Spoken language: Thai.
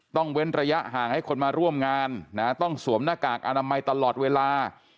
เว้นระยะห่างให้คนมาร่วมงานนะต้องสวมหน้ากากอนามัยตลอดเวลา